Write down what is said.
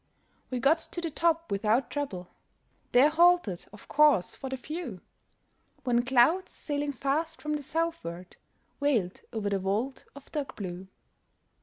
We got to the top without trouble; There halted, of course, for the view; When clouds, sailing fast from the southward, Veiled over the vault of dark blue.